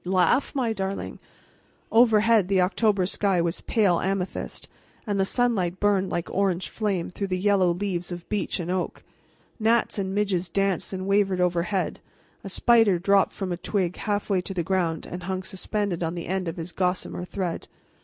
"Laugh, my darling!" Overhead the October sky was pale amethyst, and the sunlight burned like orange flame through the yellow leaves of beech and oak. Gnats and midges danced and wavered overhead; a spider dropped from a twig halfway to the ground and hung suspended on the end of his gossamer thread.